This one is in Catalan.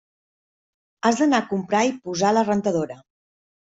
Has d'anar a comprar i posar la rentadora.